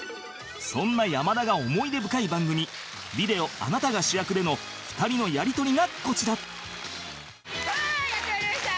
そんな山田が思い出深い番組『ビデオあなたが主役』での２人のやり取りがこちらさあやって参りました